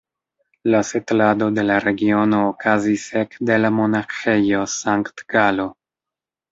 La setlado de la regiono okazis ek de la Monaĥejo Sankt-Galo.